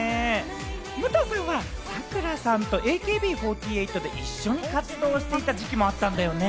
武藤さんはサクラさんとＡＫＢ４８で一緒に活動していた時期もあったんだよね？